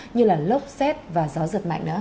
như là lốc xét và gió giật mạnh nữa